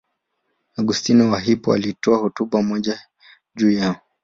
Augustino wa Hippo alitoa hotuba moja juu yao.